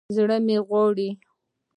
زړه مې غواړي